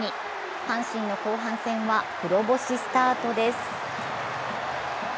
阪神の後半戦は黒星スタートです。